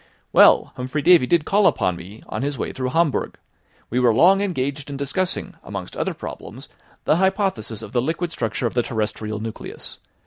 "Well, Humphry Davy did call upon me on his way through Hamburg. We were long engaged in discussing, amongst other problems, the hypothesis of the liquid structure of the terrestrial nucleus.